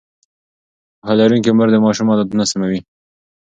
پوهه لرونکې مور د ماشوم عادتونه سموي.